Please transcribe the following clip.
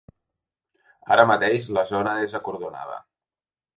Ara mateix la zona és acordonada.